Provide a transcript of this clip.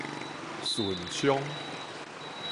順昌